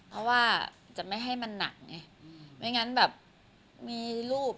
เพราะว่าจะไม่ให้มันหนักไง